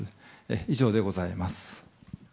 以上でございます。